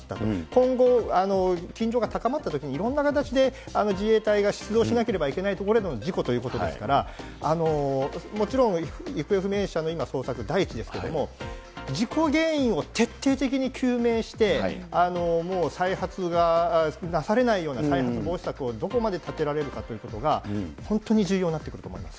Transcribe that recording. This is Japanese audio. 今後、緊張が高まったときに、いろんな形で自衛隊が出動しなければいけない所での事故ということですから、もちろん行方不明者の、今、捜索第一ですけれども、事故原因を徹底的に究明して、もう再発がなされないような再発防止策をどこまで立てられるかということが、本当に重要になってくると思います。